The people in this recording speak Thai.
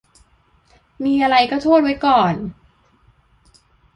มีอะไรก็โทษไว้ก่อน